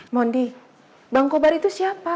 mondi bang kobar itu siapa